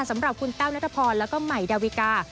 สำหรับคุณแต้วนัทพรแล้วก็ใหม่ดาวิกา